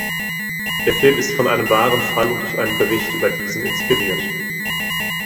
Der Film ist von einem wahren Fall und durch einen Bericht über diesen inspiriert.